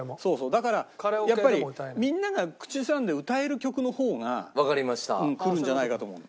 だからやっぱりみんなが口ずさんで歌える曲の方がくるんじゃないかと思うの。